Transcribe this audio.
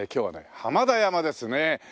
浜田山ですね。